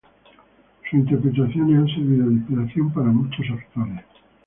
Sus interpretaciones han servido de inspiración para muchos actores.